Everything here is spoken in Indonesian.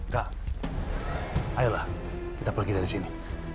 kak ayolah kita pergi dari sini